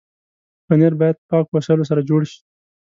پنېر باید پاکو وسایلو سره جوړ شي.